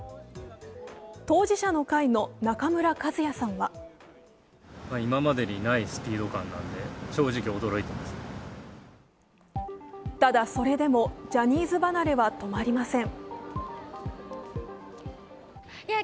当事者の会の中村一也さんはただ、それでもジャニーズ離れは止まりません。